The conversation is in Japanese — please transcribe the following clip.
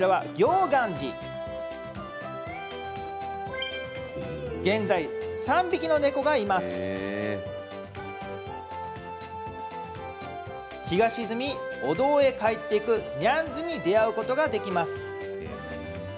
日が沈み、お堂へ帰っていくニャンズに出会うことができます。